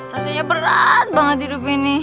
rasanya berat banget hidup ini